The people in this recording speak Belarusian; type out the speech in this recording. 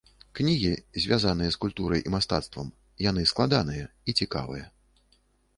Кнігі, звязаныя з культурай і мастацтвам, яны складаныя і цікавыя.